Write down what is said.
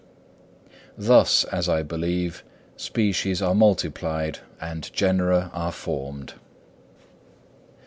Thus, as I believe, species are multiplied and genera are formed.